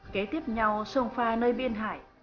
kế tiếp nhau sông pha nơi biên hải